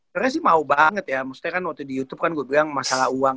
karena sih mau banget ya maksudnya kan waktu di youtube kan gue bilang masalah uang